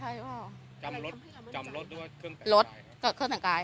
จำรถหรือเครื่องแซงกาย